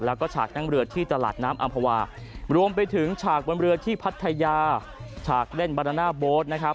แล้วก็ฉากนั่งเรือที่ตลาดน้ำอำภาวารวมไปถึงฉากบนเรือที่พัทยาฉากเล่นบาดาน่าโบ๊ทนะครับ